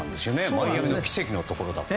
マイアミの奇跡のところだと。